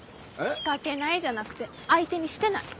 仕掛けないじゃなくて相手にしてない。